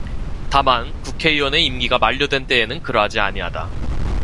다만, 국회의원의 임기가 만료된 때에는 그러하지 아니하다.